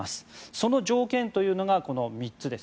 その条件というのがこの３つです。